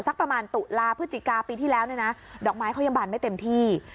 สักประมาณตุลาพฤศจิกาปีที่แล้วเนี่ยนะดอกไม้เขายังบานไม่เต็มที่